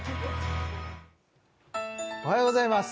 おはようございます